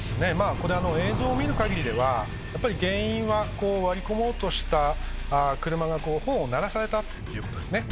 映像を見る限りでは原因は割り込もうとした車がホーンを鳴らされたことですね。